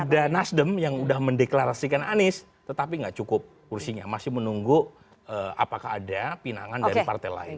ada nasdem yang sudah mendeklarasikan anies tetapi nggak cukup kursinya masih menunggu apakah ada pinangan dari partai lain